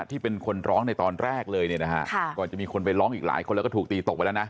ที่เป็นคนร้องในตอนแรกเลยเนี่ยนะฮะก่อนจะมีคนไปร้องอีกหลายคนแล้วก็ถูกตีตกไปแล้วนะ